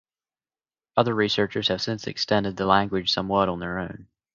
Other researchers have since extended the language somewhat on their own.